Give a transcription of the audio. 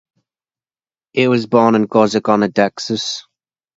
He was born in Corsicana, Texas.